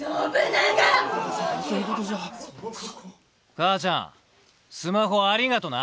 母ちゃんスマホありがとな。